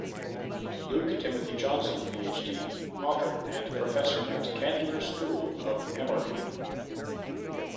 Luke Timothy Johnson, Ph.D.; Author and professor at Candler School of Emory.